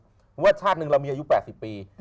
เพราะว่าชาติหนึ่งเรามีอายุ๘๐ปี